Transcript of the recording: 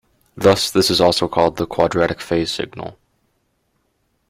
Thus this is also called quadratic-phase signal.